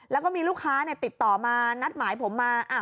แล้วก็มีลูกค้าติดต่อมานัดหมายผมมา